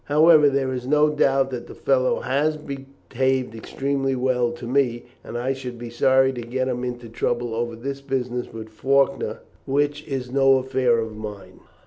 However, there is no doubt that the fellow has behaved extremely well to me, and I should be sorry to get him into trouble over this business with Faulkner, which is no affair of mine.